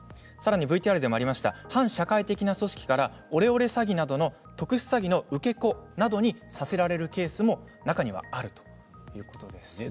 さらにＶＴＲでもありました反社会的な組織からオレオレ詐欺などの特殊詐欺の受け子などにさせられるケースも中にはあるということです。